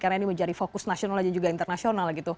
karena ini menjadi fokus nasional dan juga internasional gitu